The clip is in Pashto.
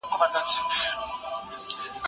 استاد د شاګرد په مسوده کي اصلاحات راولي.